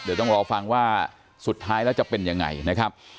เดี๋ยวต้องรอฟังว่าสุดท้ายแล้วจะเป็นยังไงนะครับ